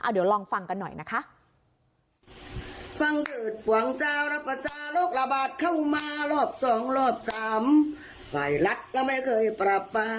เดี๋ยวลองฟังกันหน่อยนะคะ